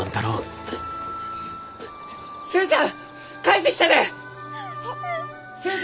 寿恵ちゃん帰ってきたで！